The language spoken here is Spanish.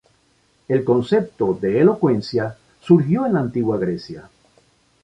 El concepto de elocuencia surgió en la antigua Grecia.